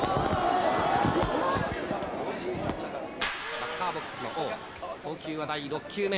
バッターボックスの王、投球は第６球目。